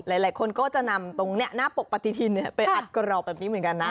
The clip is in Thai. หลายคนก็จะนำตรงนี้หน้าปกปฏิทินไปอัดกรอบแบบนี้เหมือนกันนะ